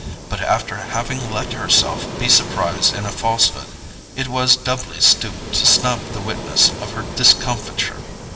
But, after having let herself be surprised in a falsehood, it was doubly stupid to snub the witness of her discomfiture.